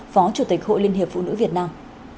phó chủ tịch hội liên hiệp phụ nữ việt nam